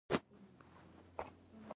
کاکا تر عراقي آس لاندې راوغورځېد.